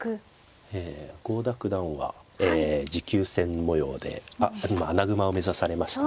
え郷田九段は持久戦模様であっ今穴熊を目指されましたね。